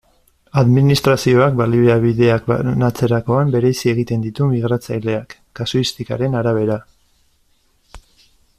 Administrazioak baliabideak banatzerakoan bereizi egiten ditu migratzaileak, kasuistikaren arabera.